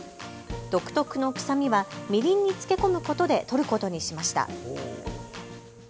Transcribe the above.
独特の臭みはみりんにつけ込むことで取ることにしました。